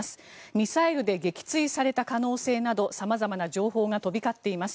ミサイルで撃墜された可能性など様々な情報が飛び交っています。